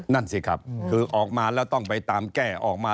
นั่นสิครับคือออกมาแล้วต้องไปตามแก้ออกมา